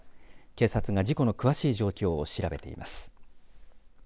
警察が事故の詳しい状況を調べています。